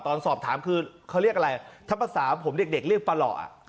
ตอนสอบถามคือเขาเรียกอะไรถ้าภาษาผมเด็กเรียกปลาหล่อ